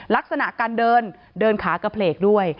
ลักษณะการเดินเดินขากระเพลกด้วย